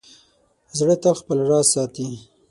زړه تل خپل راز ساتي.